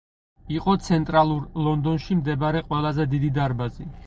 იყო ცენტრალურ ლონდონში მდებარე ყველაზე დიდი დარბაზი.